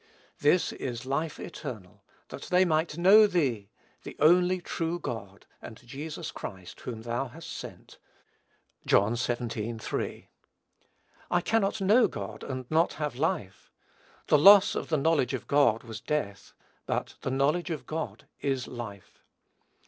"This is life eternal, that they might know thee, the only true God, and Jesus Christ whom thou hast sent." (John xvii. 3.) I cannot know God and not have life. The loss of the knowledge of God was death; but the knowledge of God is life.